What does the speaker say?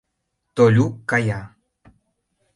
Толюк кая.